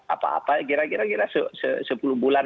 apa apa kira kira sepuluh bulan